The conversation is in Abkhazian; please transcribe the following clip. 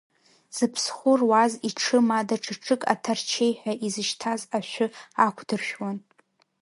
Зыԥсхәы руаз иҽы ма даҽа ҽык аҭарчеи ҳәа изышьҭаз ашәы ақәдыршәуан.